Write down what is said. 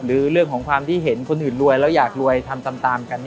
หรือเรื่องของความที่เห็นคนอื่นรวยแล้วอยากรวยทำตามกัน